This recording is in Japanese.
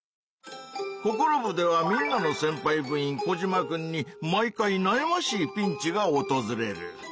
「ココロ部！」ではみんなのせんぱい部員コジマくんに毎回なやましいピンチがおとずれる。